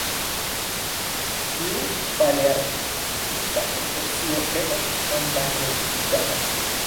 Tiu palearktisa specio estas endanĝerigata.